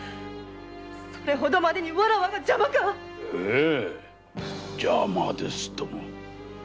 それほどまでにわらわが邪魔か‼ええ邪魔ですとも！